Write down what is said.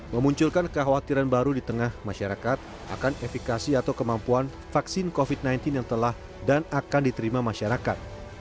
memunculkan kekhawatiran baru di tengah masyarakat akan efekasi atau kemampuan vaksin covid sembilan belas yang telah dan akan diterima masyarakat